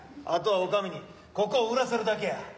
あとは女将にここを売らせるだけや。